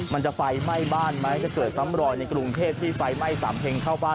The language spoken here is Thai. มันจะไฟไหม้บ้านไหมจะเกิดซ้ำรอยในกรุงเทพที่ไฟไหม้สำเพ็งเข้าบ้าน